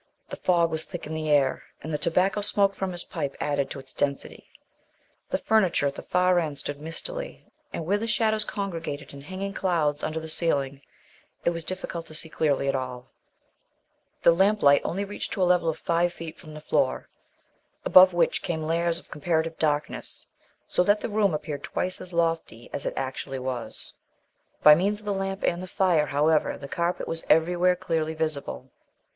The fog was thick in the air, and the tobacco smoke from his pipe added to its density; the furniture at the far end stood mistily, and where the shadows congregated in hanging clouds under the ceiling, it was difficult to see clearly at all; the lamplight only reached to a level of five feet from the floor, above which came layers of comparative darkness, so that the room appeared twice as lofty as it actually was. By means of the lamp and the fire, however, the carpet was everywhere clearly visible.